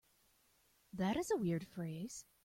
That is a weird phrase.